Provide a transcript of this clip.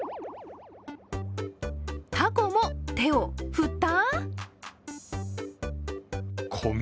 タコも手を振った？